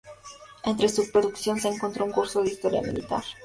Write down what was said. Entre su producción se encontró un "Curso de historia militar".